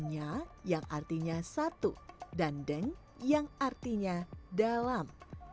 hanya yang artinya satu dan deng yang artinya dalam